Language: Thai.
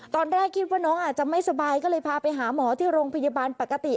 ตอนแรกคิดว่าน้องอาจจะไม่สบายก็เลยพาไปหาหมอที่โรงพยาบาลปกติ